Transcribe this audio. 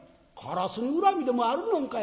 「烏に恨みでもあるのんかい？」。